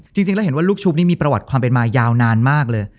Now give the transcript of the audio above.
จริงแล้วเห็นว่าลูกชุบนี่มีประวัติความเป็นมายาวนานมากเลย